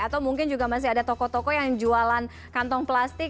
atau mungkin juga masih ada toko toko yang jualan kantong plastik